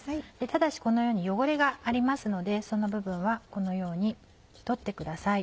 ただしこのように汚れがありますのでその部分はこのように取ってください。